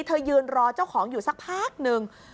ยืนรอเจ้าของอยู่สักพักหนึ่ง